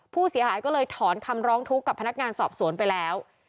ผู้เสียหายก็เลยถอนคำร้องทุกข์กับพนักงานสอบสวนไปแล้ว